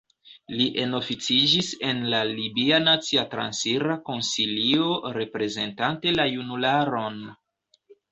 Li enoficiĝis en la libia Nacia Transira Konsilio reprezentante la junularon.